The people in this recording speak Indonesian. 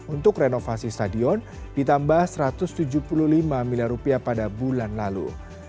untuk renovasi stadion ditambah satu ratus tujuh puluh lima miliar rupiah pada bulan lalu